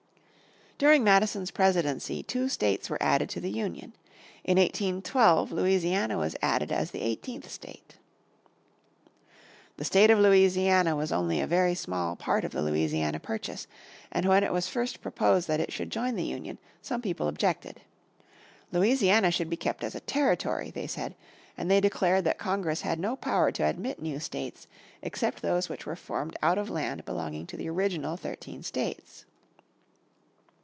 During Madison's presidency two states were added to the Union. In 1812 Louisiana was added as the eighteenth state. The State of Louisiana was only a very small part of the Louisiana Purchase, and when it was first proposed that it should join the Union some people objected. Louisiana should be kept as a territory, they said, and they declared that Congress had no power to admit new states except those which were formed out of land belonging to the original thirteen states.